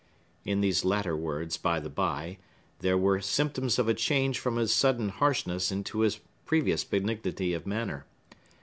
—in these latter words, by the bye, there were symptoms of a change from his sudden harshness into his previous benignity of manner.